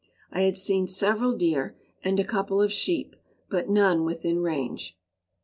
I had seen several deer and a couple of sheep, but none within range.